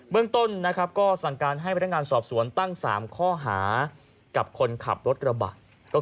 เมืองต้นนะครับก็สั่งการให้พนักงานสอบสวนตั้ง๓ข้อหากับคนขับรถกระบะ